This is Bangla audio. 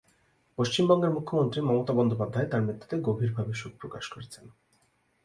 পশ্চিমবঙ্গের মুখ্যমন্ত্রী মমতা বন্দ্যোপাধ্যায় তার মৃত্যুতে গভীরভাবে শোক প্রকাশ করেছেন।